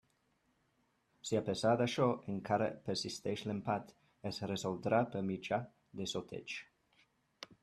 Si a pesar d'això encara persisteix l'empat, es resoldrà per mitjà de sorteig.